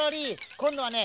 こんどはね